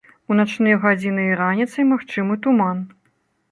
У начныя гадзіны і раніцай магчымы туман.